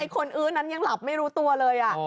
ไอ้คนอื๊ะนั้นยังหลับไม่รู้ตัวเลยอ่ะ